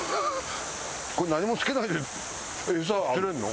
これ何もつけないで釣れんの？